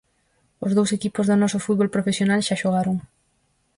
Os dous equipos do noso fútbol profesional xa xogaron.